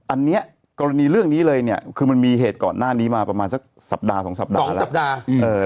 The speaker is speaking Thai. อันนี้กรณีเรื่องนี้เลยเนี่ยคือมันมีเหตุก่อนหน้านี้มาประมาณสักสัปดาห์สองสัปดาห์แล้วสัปดาห์